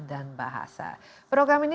dan bahasa program ini